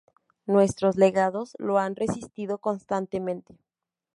Nuestros Legados lo han resistido constantemente.